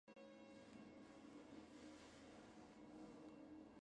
英吉沙战役是新疆战争中的一场战斗。